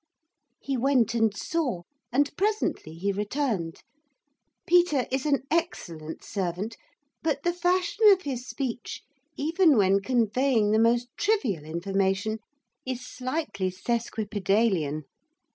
He went and saw; and, presently, he returned. Peter is an excellent servant; but the fashion of his speech, even when conveying the most trivial information, is slightly sesquipedalian.